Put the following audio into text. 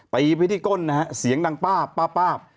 ไปไปที่ก้นเสียงดังป้าบป้าบ